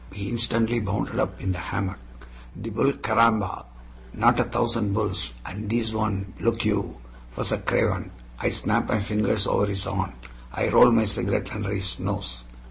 He instantly bounded up in the hammock. "The bull! Caramba! Not a thousand bulls! And thees one, look you, was a craven. I snap my fingers over his horn; I roll my cigarette under his nose."